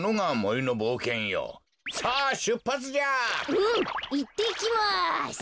うんいってきます！